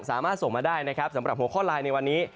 สามารถส่งมาได้นะครับสำหรับหัวข้อไลน์ในวันนี้